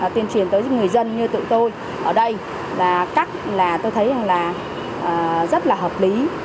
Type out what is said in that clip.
tuyên truyền tới người dân như tụi tôi ở đây là cách là tôi thấy rằng là rất là hợp lý